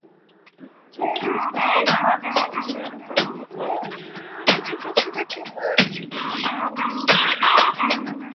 James made conservation a family affair and suggested that Gifford should become a forester.